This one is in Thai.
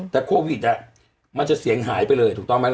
แต่โควิดมันจะเสียงหายไปเลยถูกต้องไหมล่ะ